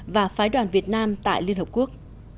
và phái đoàn việt nam tại liên hợp quốc